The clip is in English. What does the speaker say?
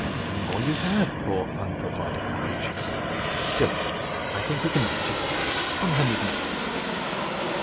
"Ah! no more you have, poor unprovided creatures! Still, I think we can manage it. Come home with me."